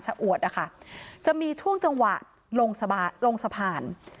ชะอวดอะจะมีช่วงจังหวะลงสะบาลลงสะพาน